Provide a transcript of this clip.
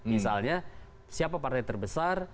misalnya siapa partai terbesar